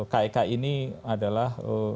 kek ini adalah